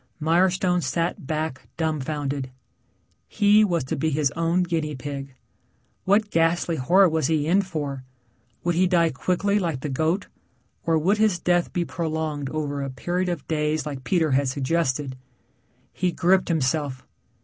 Mirestone sat back dumbfounded. He was to be his own guinea pig. What ghastly horror was he in for? Would he die quickly like the goat or would his death be prolonged over a period of days like Peter had suggested. He gripped himself.